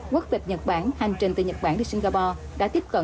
quốc tịch nhật bản hành trình từ nhật bản đến singapore